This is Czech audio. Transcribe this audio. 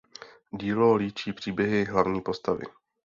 Dílo líčí příběhy hlavní postavy.